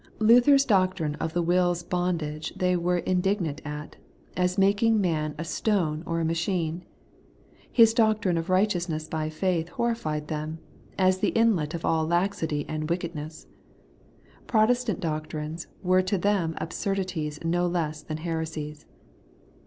Lather's doctrine of the will's bondage they were indignant at, as making man a stone or a machine. His doctrine of righteonsness bj faith horrified them, as the inlet of all laxitj and wicked ness. Protestant doctrines were to them absurdities no less than heresies.